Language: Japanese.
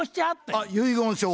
あっ遺言書を。